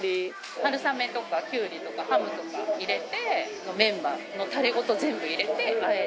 春雨とかきゅうりとかハムとか入れてメンマのタレごと全部入れてあえる。